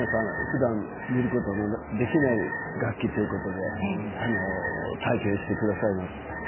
ふだん見ることができない楽器ということで体験してくださいます。